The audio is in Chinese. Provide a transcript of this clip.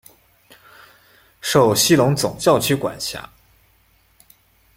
受西隆总教区管辖。